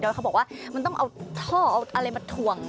เขาบอกว่ามันต้องเอาท่อเอาอะไรมาถ่วง